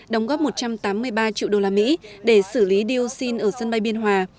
đóng góp một trăm tám mươi ba triệu đô la mỹ để xử lý dioxin ở sân bay biên hòa